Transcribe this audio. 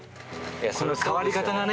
この変わり方がね。